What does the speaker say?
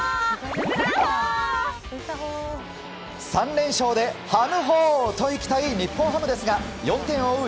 ３連勝で、はむほーといきたい日本ハムですが４点を追う